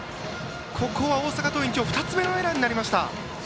ここは大阪桐蔭２つ目のエラーになりました。